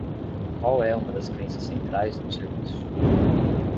Qual é uma das crenças centrais no serviço?